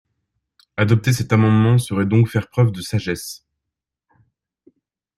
Adopter cet amendement serait donc faire preuve de sagesse.